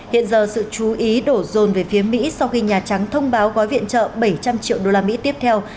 hiện giờ sự chú ý đổ rồn về phía mỹ sau khi nhà trắng thông báo gói viện trợ bảy trăm linh triệu usd tiếp theo